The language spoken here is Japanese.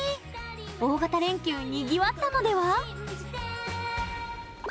大型連休、にぎわったのでは？